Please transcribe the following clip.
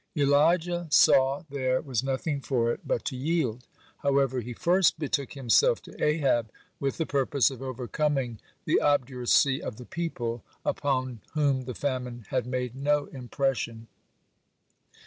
(12) Elijah saw there was nothing for it but to yield. However, he first betook himself to Ahab with the purpose of overcoming the obduracy of the people, upon whom the famine had made no impression.